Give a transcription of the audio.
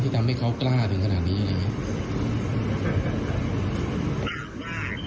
ที่ทำให้เขากล้าถึงขนาดนี้อย่างเงี้ยอืมถ้าว่าถ้าคิดว่า